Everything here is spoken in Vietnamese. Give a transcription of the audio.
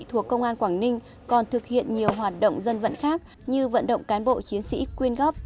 thuộc công an quảng ninh còn thực hiện nhiều hoạt động dân vận khác như vận động cán bộ chiến sĩ quyên góp